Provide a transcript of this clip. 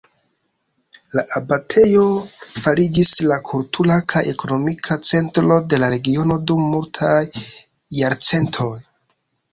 La abatejo fariĝis la kultura kaj ekonomia centro de la regiono dum multaj jarcentoj.